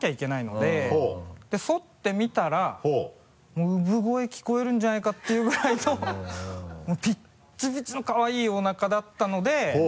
でそってみたらもう産声聞こえるんじゃないかっていうぐらいのもうピッチピチのかわいいおなかだったので。